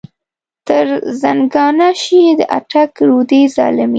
تر زنګانه شې د اټک رودې ظالمې.